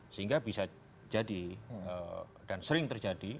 sehingga bisa jadi dan sering terjadi